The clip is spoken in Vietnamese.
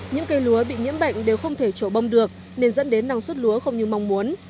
những cây lúa bị nhiễm bệnh đều không thể trổ bông được nên dẫn đến năng suất lúa không như mong muốn